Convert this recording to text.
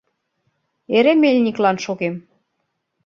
Эре мельниклан шогем.